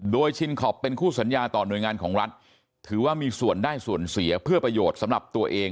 โดยชินคอปเป็นคู่สัญญาต่อหน่วยงานของรัฐถือว่ามีส่วนได้ส่วนเสียเพื่อประโยชน์สำหรับตัวเอง